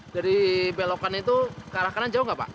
dari belokan itu ke arah kanan jauh nggak pak